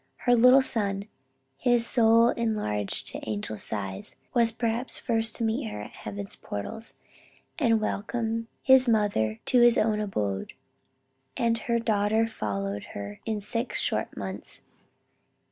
Her little son, his soul enlarged to angel's size, was perhaps first to meet her at heaven's portals, and welcome his mother to his own abode and her daughter followed her in six short months."